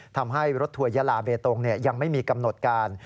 ทำให้รถทัวร์ยาลาเบตงยังไม่มีกำหนดการ